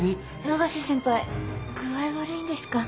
永瀬先輩具合悪いんですか？